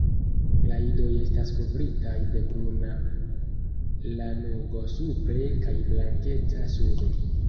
La idoj estas kovritaj de bruna lanugo supre kaj blankeca sube.